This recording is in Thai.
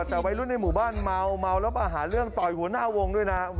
แต่วัยรุ่นในหมู่บ้านเมาแล้วมาหาเรื่องต่อยหัวหน้าวงด้วยนะ